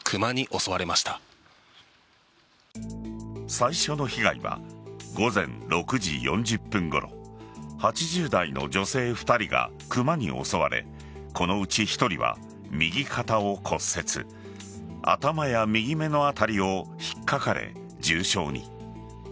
最初の被害は午前６時４０分ごろ８０代の女性２人がクマに襲われこのうち１人は、右肩を骨折頭や右目の辺りを引っかかれ重傷に。